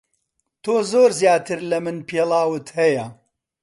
تۆ زۆر زیاتر لە من پێڵاوت ھەیە.